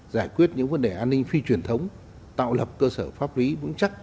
giải quyết những vấn đề an ninh phi truyền thống tạo lập cơ sở pháp lý vững chắc